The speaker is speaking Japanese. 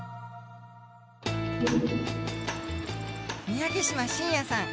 宮城島進也さん。